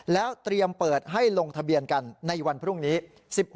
แล้วเตรียมเปิดให้ลงทะเบียนกันในวันพรุ่งนี้